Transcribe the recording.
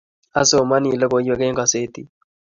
Asomani logoiwek eng gazeti